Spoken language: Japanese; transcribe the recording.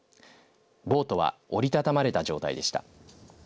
ボートは折り畳まれた状態でした。